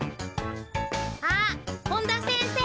あっ本田先生